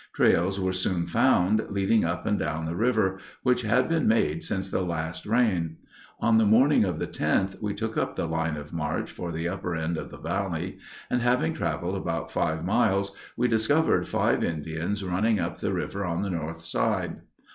Trails were soon found, leading up and down the river, which had been made since the last rain. On the morning of the 10th we took up the line of march for the upper end of the valley, and having traveled about five miles we discovered five Indians running up the river on the north side.